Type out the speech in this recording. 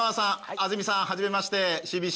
安住さんはじめましてＣＢＣ